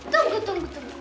tunggu tunggu tunggu